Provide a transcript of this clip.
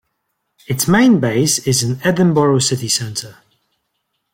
Its main base is in Edinburgh city centre.